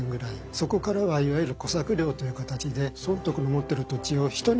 そこからはいわゆる小作料という形で尊徳の持ってる土地を人に貸してる。